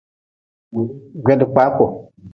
Gwedkpaaku.